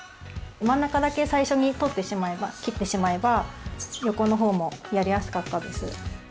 真ん中だけ最初にとってしまえば切ってしまえば横の方もやりやすかったです。